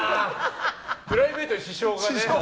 プライベートに支障がね。